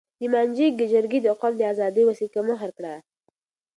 د مانجې جرګې د قوم د آزادۍ وثیقه مهر کړه.